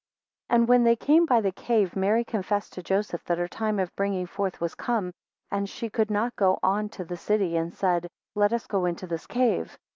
6 And when they came by the cave, Mary confessed to Joseph that her time of bringing forth was come, and she could not go on to the city, and said, Let us go into this cave.